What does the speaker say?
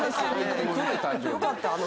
よかった